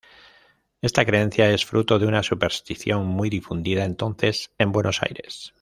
Esta creencia es fruto de una superstición muy difundida entonces en Buenos Aires.